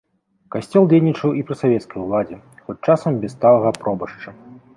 Касцёл дзейнічаў і пры савецкай уладзе, хоць часам без сталага пробашча.